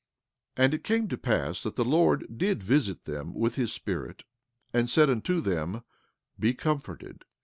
17:10 And it came to pass that the Lord did visit them with his Spirit, and said unto them: Be comforted.